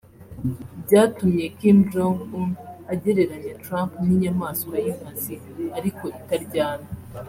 Byatumye Kim Jong Un agereranya Trump n’ imyamaswa y’ inkazi ariko itaryana